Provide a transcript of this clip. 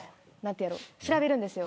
調べるんですよ。